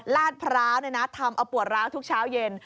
ลาดพร้าวเนี่ยนะทำอบปวดร้าวทุกเช้าเย็น